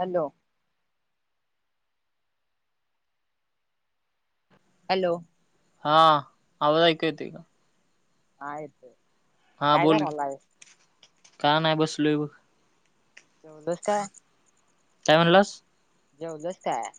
Hello..... hello...... हा आवाज ऐकू येतोय.... आयत..... हा बोल का नाही बसलोय बघ..... [unintelligible] काय म्हणलास? जेवलस काय?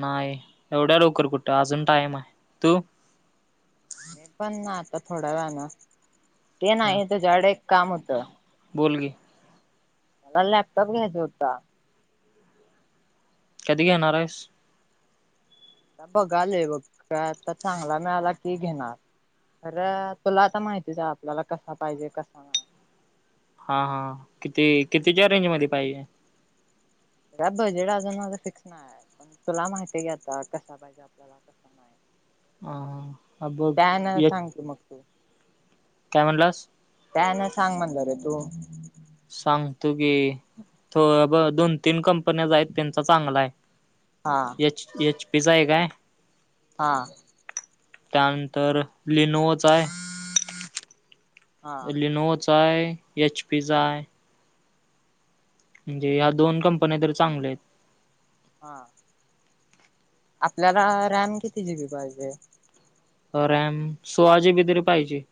नाही एवढ्या लवकर कुठे अजून टाइम आहे तू? मी पण ना आता थोडं वण ते हा नाही तझ्याडे एक काम होतं बोल की. मला लॅपटॉप घ्यायचा होता. कधी घेणार हाईस? आता बघालोय बघ का आता चांगला मिळाला की घेणार. अरे तुला आता माहितीच आपल्याला कसा पाहिजे कसा नाही. हा हा किती कितीच्या रेंज मध्ये पाहिजे बजेट अजून माझ फिक्स नाही आहे पण तुला माहिती आहे के आता कस पाहिजे आपला. हा हा बघ त्या हेन एक सांगते मग तू. काय म्हणालास. त्या हे ना सांग म्हणलं रे तु. सांगतो की अब दोन तीन कंपन्याज आहेत त्यांचा चांगला आहे. हा एच एच पि च एक आहे हां. त्यानंतर लिनोवाचा हाय. हा लिनोवच आहे एच पीच आहे. म्हणजे या दोन कंपन्या तर चांगल्या आहेत. हा आपल्याला रॅम किती जिबी पाहिजे. रॅम सोळा जीबी तरी पाहिजे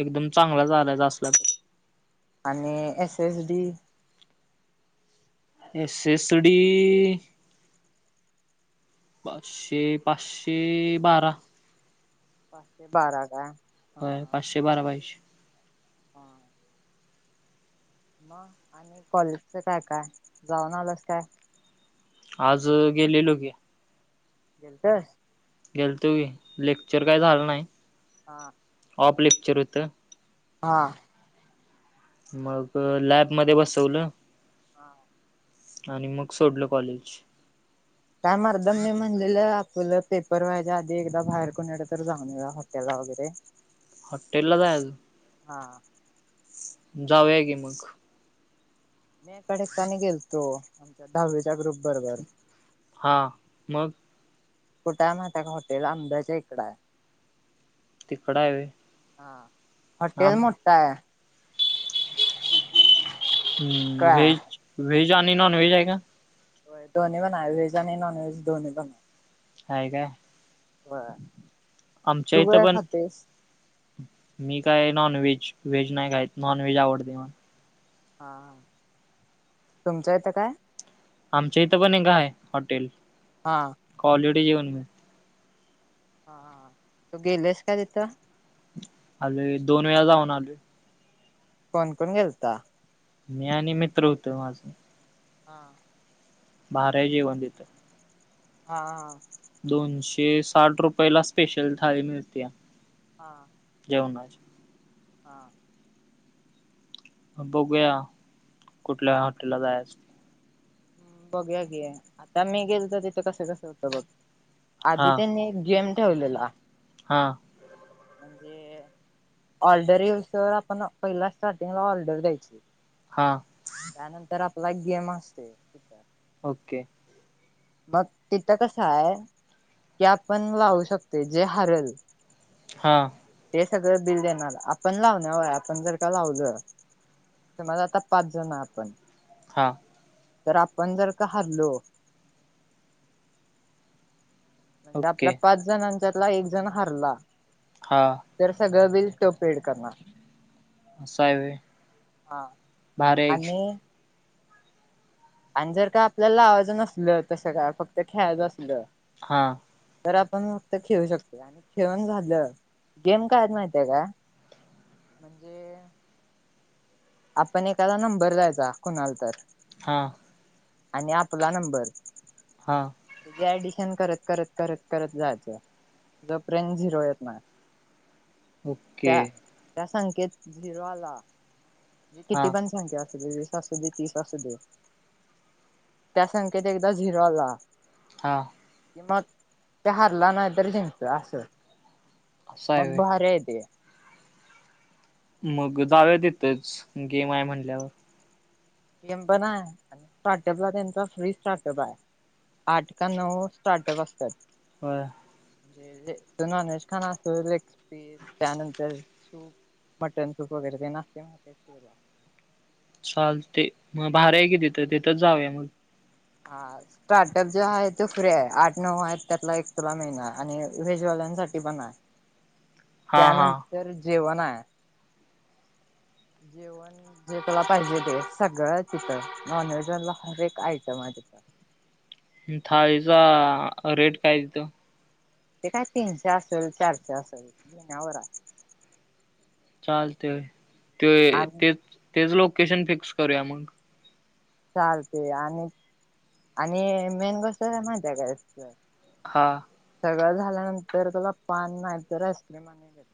एकदम चांगलाच आणायचं असला तर. आणि S S D S SD पाचशे पाचशे बारा पा बारा काय हा हो पाचशे बारा पाहिजे. हां. मग आणि कॉलेजच काय काय जाऊन आलास काय? आज गेले लेलो की. गेलतंस. गेलतो लेक्चर काय झालं नाही. हा. ऑप लेक्चर होत. हां. मग लॅबमध्येध्ये बसवलं हां. आणि मग सोडल कॉलेज. काय मर्दा मी म्हणलेलं आपलं पेपर व्हायच्या आधी एकदा बाहेर कुणीकड तर जाऊन येऊया हॉटेला वगैरे. [inaudible] हॉटेलला जायचं. हा. जाऊया की मग. मी पण येताना गेलतो आमच्या दहावीच्या ग्रुप बरोबर. हां मग कुठा आहे मा का हॉटेल आंब्याच्या इकड आहे. तिकडं आहे व्हय हा आम हॉटेल मोठा आहे. काय ह् व्हेज आणि नॉन व्हेज आहेय का? हो दो्ही बन व्ज आणि नॉन वहेज दो्ही बन हाय काय? ह आमच्या तू इथं गया पण खातस मी काय नॉनव्हेज व्हेज नाही काय नॉनव्हेज आवडते मला. हा तुमच्या इथं काय? आमच्या इथं पण एक हाय हॉटेल. हां आलरेडी जेवन मी हा तू गेलस का तिथं आले दोन वेळा जाऊन आले कोण कोण घेलता मी आणि मित्र होतो माझं. हां भार जीव वंदितत हा हा. दोनशे साठ रुपया ला स्पेशल थाळी मिळतीया. हा जेव नाज हा बघूया कुठल्या हॉटेला जायच? बघू घी आता मी गेलो तर तिथं कसं कसं होतं बघ. आधी त्यांनी एक गेम ठेवलेला हा म्हणजे ऑर्डर येऊस आपण पहिला स्टार्टिंगला ऑर्डर द्यायची हां त्यानंतर आपला गेम असते तित ओके मग तिथं कस आहे की आपण वाहू शकते जे हरल हां ते सगळं बिल देणार आपण लवण्यावर आहे आपण जर का लावल ते मझ आता पाच जण आपण हा तर आपण जर का हल्लो म्हणजे ओके आपल्या पाच जणांच्यातला एक जण हरला हा तर सगळं बिल तो पेड करणार आसाा आहे हा भारी आणि आणि जर का आपल्याला आवायजं नसल तसं का फक्त खेळायचं असल हा तर आपण नुसत खेळू शकतोय आणि खेळून झालं गेम कायत माहिितय का म्हणजे आपण एखकादा नंबर द्यायचा कुणाल तर हां आणि आपला नंबर हा त्याज ऍडिशन करत करत करत करत जायचं जो पर्यंत झिरो येत नाय ओके त्या त्या संख्येत झिरो आला म्हे किती हां पण संख्या अस वीस आसू तीस असू दे त्या संख्येत एकदा झिरो आला हां [unintelligible] मग त्याहारला ना तरी जिगतोय असं असं आहे मग व्हय भारी ते मग दाव्या देतच गेम आहे म्हणल्यावर [unintelligible] ीम पण आहे आणि स्टार्टअप ला त्यांचा फ्री स्टार्टअप आहे आठ का नऊ स्टार्टअप असत्यात होय म्हे तो नश खाना असतो र त्यानंतर सूप मटन सूप वगैरे तेन असतय महिती का तुला चाल ते मग बाहेर आहे कि तिथं तिथंच जाऊया मग ह [unintelligible] स्टार्टअप जे आहे तेो फ्री आहे आठ नऊ आहेत त्यातला एक तुला महिना आणि वेजवाल्यांसाठी पण आहे हा हा त्यानंतर जेवण आहे [unintelligible] जेवण [unintelligible] जे तुला पाहिजे ते सगळं तिथं नॉनव्हेजला हर एक आयटम आहे तिथं थाळीचा रेट काय तेतो [unintelligible] ते काय तीनशे असल चारशे असल घेण्यावर हाय चालते ते आणि तेच तेच लोकेशन फिक्स करूया मग चालत आणि आणि मेन गोष्ट माहिती्या गस हा [unintelligible] सगळं झाल्यानंतर तला पान नाहीतर आईस्क्रीम आण देत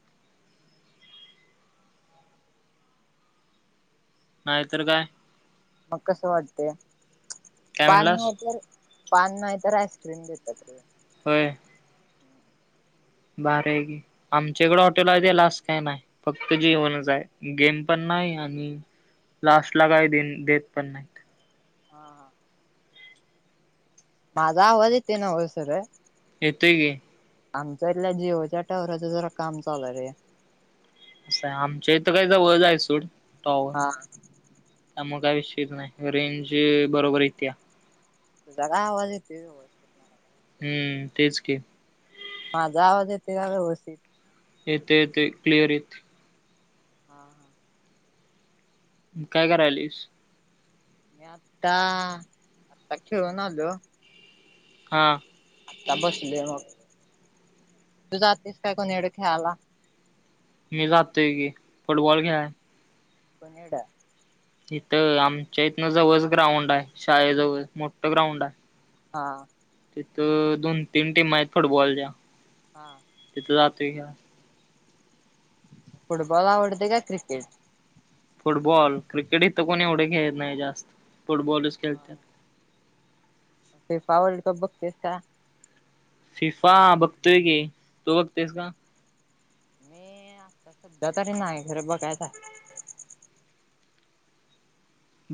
नाहीतर काय मग कसं वाटते काय पान म्हणलास तर पान नाही तर आईस्क्रीम देतात र होय [unintelligible] भारी हाय की [unintelligible] आमच्याकडं हॉटेल आहेलास काय नाही फक्त जेवणच आहे गेम पण नाही आणि [unintelligible] लास्ट ला काय दि देत पण नाही [unintelligible] हां हां माझववादेते नाव होसर [unintelligible] येतंय की आमच्या इथल्या जिओच्या टावरचं जरा काम चालू रे स आमच्या इथं काय जवळच आहे सोड टॉवर हा त्यामुळेग काय विश्ित नाही रेंज बरोबर येत्या [unintelligible] तुझ काय आवाज येतोय वेवस्तीत [unintelligible] [unintelligible] हम्म तेच क [unintelligible] माझा आवाज येते का व्यवस्थित येतय येतय क्लियर येतय हा हा [unintelligible] काय करायलस मी आता आता खेळून आलो हां आता बसली मग तू जातेस काय कोणीड खेळाला [unintelligible] [unintelligible] मी जातोय की फुटबॉल खेळा [unintelligible] [unintelligible] पुनडा [unintelligible] इथं आमच्या इथनं जवळ ग्राउंड आहे शाळेजवळ मोठं ग्र उंड आहे हा तिथं दोन तीन टीम आहेत फुटबॉलच्या [unintelligible] हा [inaudible] [unintelligible] [unintelligible] तिथ जात घ्या फुटबॉल आवडतय का क्रिकेट. फुटबॉल क्रिकेटही तर कोणी एवढे खेळत नाही जास्त फुटबॉलच हा खेळत. फिफा वर्ल्ड कप बघतेस का. शिफा बघतोय की तू बघतेस का. मी आता सध्या तरी नाही घर बघायचं हाय.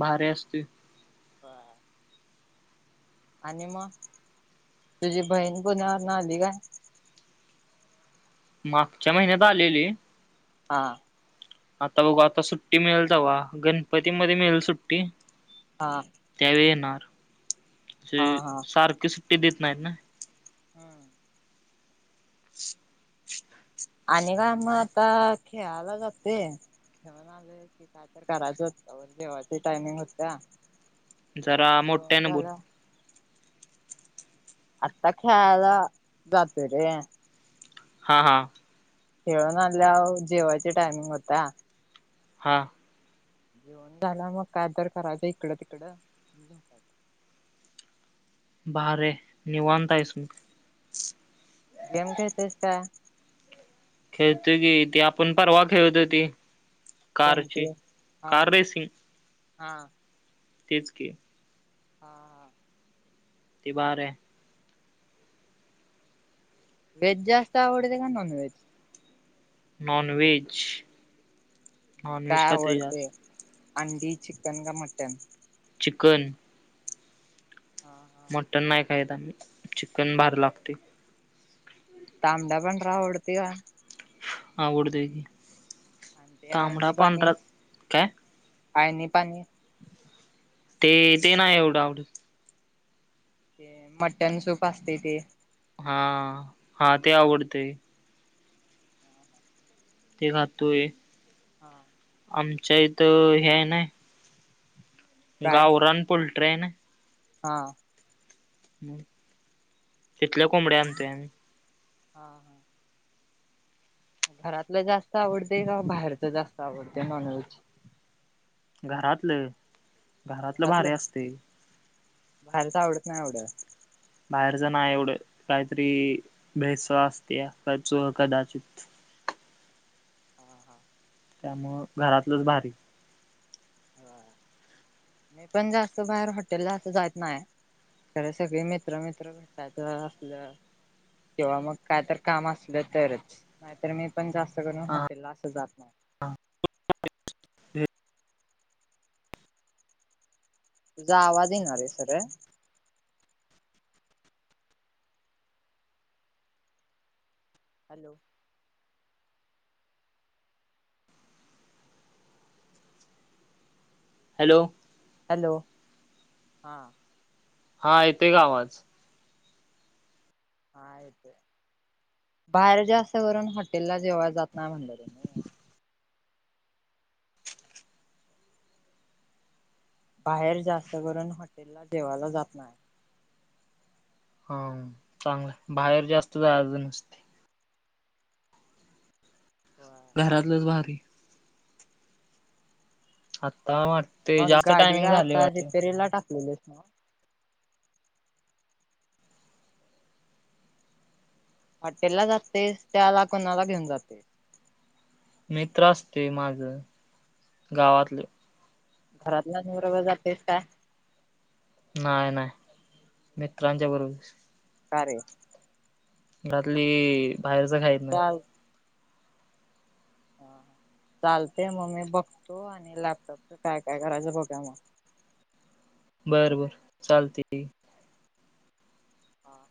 भारी असतोय. बर. आणि मग तुझी बहीण पुण्यावरून आली काय. मागच्या महिन्यात आलेली. हां. आता बघू आता सुट्टी मिळेल तेव्हा गणपतीमध्ये मिळेल सुट्टी. हां. त्यावेळी येणार हा सारखी सुट्टी देत नाहीत ना. हा. [inaudible] आणि का मग आता खेळाला जातोय. शिका तर करायं होत जेवची टायमिंग होत्या. जरा जेवण मोठ्या न बोल. झालं आता खेळायला जातोय रे. हां हां. खेळून आल्या जेवायची टायमिंग होत्या. हां. जेवण झाला मग काय तर करायचं इकडं तिकडं. भारी हाय निवांत आहेस मग. गेम खेळतेस काय. खेळतोय की ते आपण परवा खेळत होती, कारची कोणती हा कार रेसिंग. हा. तेच की. हां हां. ती बार आहे. व्हेज जास्त आवडते का non veg. Non veg non veg काय खातुय जास्त. आवडते अंडी चिकन का मटन. चिकन. हा हा. मटन नाही कायदा चिकन भर लागतय. तांबडा पांढरा आवडतोय का. आवडतय आणि ते तांमडा आळणी पाणी पंढरा काय? आळणी पाणी. ते ते नाही एवढं आवड. ते मटन सूप असतेय ते. हा हा ते आवडतय. ते खातोय. हां. आमच्या इथं हे हाय नाही. काय गावरान पोल्ट्री हाय ना. हा. तितल्या कोंबड्या आनतूय आमी. हा हा. घरातलं जास्त आवडते का बाहेरच जास्त आवडते नॉनव्हेज. घरातलं घरातलं भारी असते बाहेरच आवडत नाही ऐवढं. बाहेरच ना एवढं काहीतरी भेसळ असते च कदाचित हा हा, त्यामुळ घरातलंच भारी. मी पण जास्त बाहेर हॉटेल ला असं जायत नाय. खर सगळे मित्र मित्र भेटयच असलं किंवा मग काय तर काम असलं तरच नाहीतर मी पण जास्त करून हा हॉटेल ला असं जात नाही तुझा आवाज येणार आहे सर आहे हॅलो हॅलो,, हॅलो,,, हां. हा येते का आवाज हा येतय बाहेर जास्त करून हॉटेल ला जेवाय जात नाही म्हणलं रे मी ह, बाहेर जास्त करून हॉटेलला जेवायला जात नाही. हा,, चांगलं आय, बाहेर जास्त जायाचच नाही. घरातलंच भारी. आता वाट मग गाडी का आता रिपेरीला टाकलेली नाग हॉटेल ला जाते त्याला कोणाला घेऊन जाते मित्र असतय माझ,, गावातलं. घरातला नव रवं जातेस का? नाही नाही,, मित्रांच्या बरोबर.. का ये? घरातली बाहेरच खायत नाही चाल ह चालतेय मग मी बघतो आणि लॅपटॉपच काय काय करायचं बघा मग बर बर चालते हां